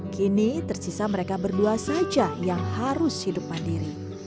kini tersisa mereka berdua saja yang harus hidup mandiri